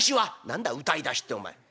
「何だ歌いだしってお前。